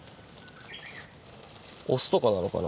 オスとかなのかな？